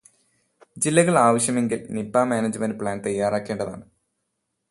ജില്ലകള് ആവശ്യമെങ്കില് Nipah management plan തയ്യാറാക്കേണ്ടതാണ്.